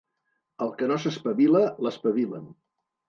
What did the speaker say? El que no s'espavila, l'espavilen.